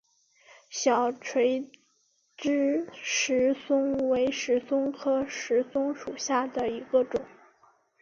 小垂枝石松为石松科石松属下的一个种。